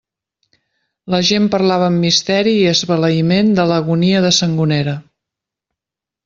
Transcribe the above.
La gent parlava amb misteri i esbalaïment de l'agonia de Sangonera.